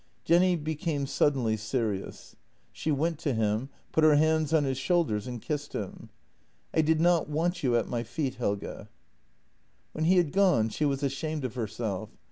Jenny became suddenly serious. She went to him, put her hands on his shoulders, and kissed him :" I did not want you at my feet, Helge." When he had gone she was ashamed of herself.